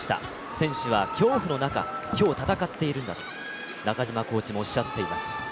選手は恐怖の中今日、戦っているんだと中島コーチもおっしゃっています。